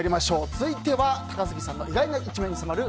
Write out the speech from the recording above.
続いては、高杉さんの意外な一面に迫る